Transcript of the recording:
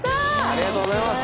ありがとうございます。